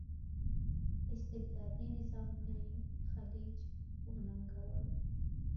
استبدادي نظامونه یې چلنج او وننګول.